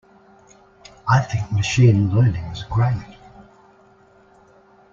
I think Machine Learning is great.